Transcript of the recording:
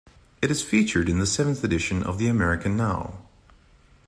It is featured in the seventh edition of the American Now!